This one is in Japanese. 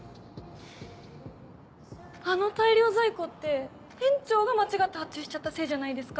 あの大量在庫って店長が間違って発注しちゃったせいじゃないですか。